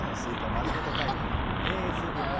まるごとタイムＡＳＭＲ」。